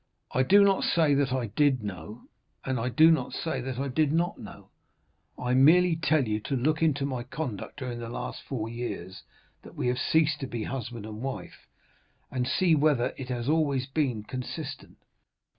"I do not say that I did know it, and I do not say that I did not know it. I merely tell you to look into my conduct during the last four years that we have ceased to be husband and wife, and see whether it has not always been consistent.